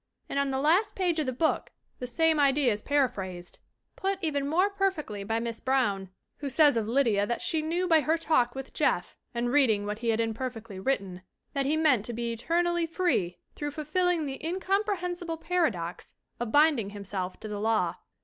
And on the last page of the book the same idea is paraphrased, put even more perfectly, by Miss Brown, who says of Lydia that she knew by her talk with Jeff and reading; what he had imperfectly written "that he meant to be eternally free through fulfilling the in comprehensible paradox of binding himself to the law."